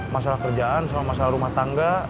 masalah kerjaan sama masalah rumah tangga